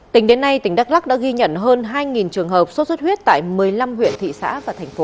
tính đến nay tỉnh đắk lắc đã ghi nhận hơn hai trường hợp sốt xuất huyết tại một mươi năm huyện thị xã và thành phố